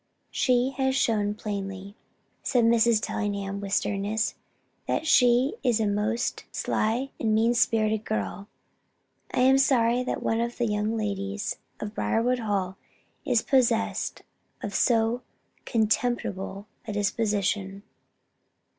"She has shown plainly," said Mrs. Tellingham, with sternness, "that she is a most sly and mean spirited girl. I am sorry that one of the young ladies of Briarwood Hall is possessed of so contemptible a disposition."